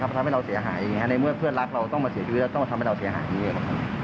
ก็ไม่อยากให้เขาทำแบบนี้กว่าใคร